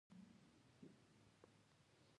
په افغانستان کې آب وهوا ډېر زیات اهمیت لري.